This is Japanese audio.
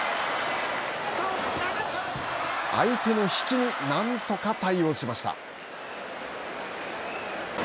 相手の引きになんとか対応しました。